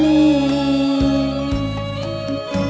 ไม่ใช้ค่ะ